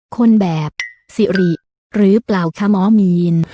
คนแบบสิริหรือเปล่าขม้อมีน